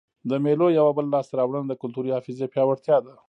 د مېلو یوه بله لاسته راوړنه د کلتوري حافظې پیاوړتیا ده.